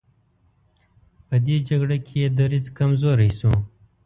په دې جګړه کې یې دریځ کمزوری شو.